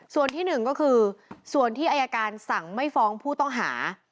ส่วนที่หนึ่งก็คือส่วนที่อายการสั่งไม่ฟ้องผู้ต้องหา